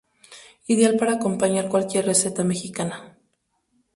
Ideal para acompañar cualquier receta mexicana.